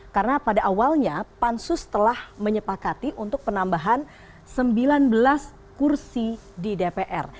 karena pada awalnya pansus telah menyepakati untuk penambahan sembilan belas kursi di dpr